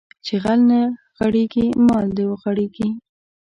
چې غل نه غېړيږي مال دې غېړيږي